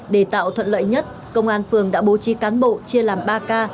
để tạo thuận lợi nhất công an phường đã bố trí cán bộ chia làm ba k